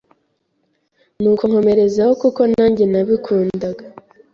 nuko nkomerezaho kuko nange nabikundaga